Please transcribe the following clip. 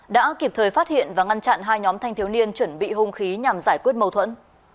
đã kịp thời phát hiện và ngăn chặn hai nhóm thanh thiếu niên chuẩn bị hung khí nhằm giải quyết mâu thuẫn